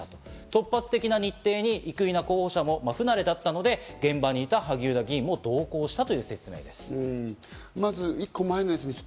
突発的な日程に生稲候補者も不慣れだったので現場にいた萩生田議員も同行したという説明です。